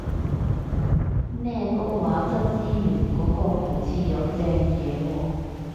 咩高畫質資源嗰個好似有正嘢喎